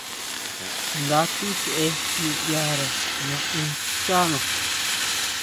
Nda tisʼe niʼyare naʼen xchana.